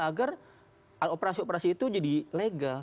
agar operasi operasi itu jadi legal